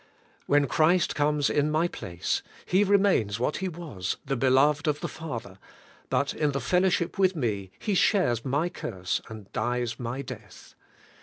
When Christ comes in my place. He remains what He was, the beloved of the Father; but in the fellowship with me He shares my curse and dies my death.